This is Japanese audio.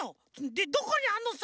でどこにあんのさ？